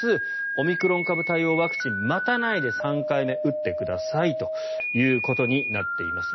オミクロン株対応ワクチン待たないで３回目打ってくださいということになっています。